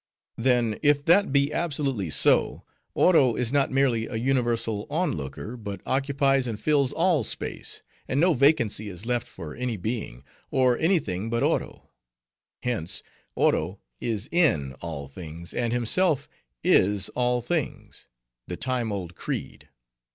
"Then, if that be absolutely so, Oro is not merely a universal on looker, but occupies and fills all space; and no vacancy is left for any being, or any thing but Oro. Hence, Oro is in all things, and himself is all things—the time old creed.